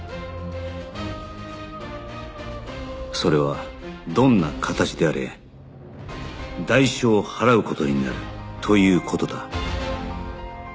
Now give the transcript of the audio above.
それはどんな形であれ代償を払う事になるという事だ